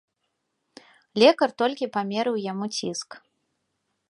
Лекар толькі памерыў яму ціск.